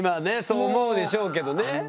そう思うでしょうけどね。